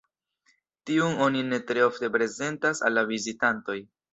Tiun oni tre ofte prezentas al la vizitantoj.